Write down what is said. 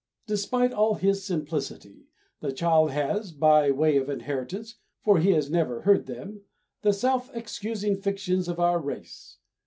Despite all his simplicity, the child has (by way of inheritance, for he has never heard them) the self excusing fictions of our race.